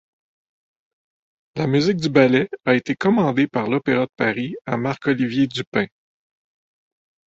La musique du ballet a été commandée par l'Opéra de Paris à Marc-Olivier Dupin.